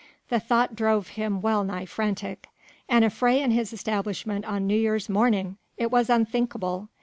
The thought drove him well nigh frantic. An affray in his establishment on New Year's morning! it was unthinkable!